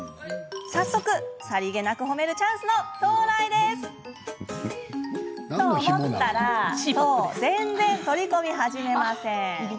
早速、さりげなく褒めるチャンスの到来です！と思ったら全然、取り込み始めません。